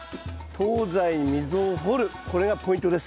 東西に溝を掘るこれがポイントです。